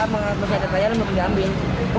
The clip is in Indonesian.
masih ada yang belum diambil